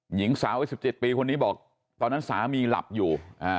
หญิงสาววัย๑๗ปีคนนี้บอกตอนนั้นสามีหลับอยู่